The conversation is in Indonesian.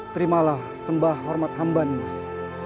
terimalah sembah hormat hamba nimas